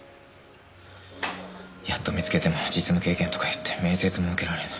やっと見つけても実務経験とか言って面接も受けられない。